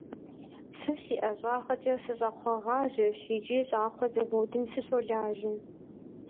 Сэ си ӏэщӏагъэкӏэ сыщӏакхъуэгъажьэщ икӏи щӏакхъуэ заводым сыщолажьэ.